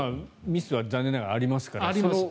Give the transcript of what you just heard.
ミスは残念ながらありますからね。